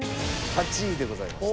８位でございました。